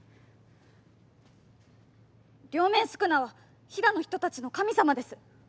両面宿儺は飛騨の人たちの神様です。